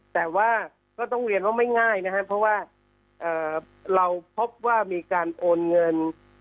แต่ว่าก็ต้องเรียนว่าไม่ง่ายนะครับเพราะว่าเราพบว่ามีการโอนเงิน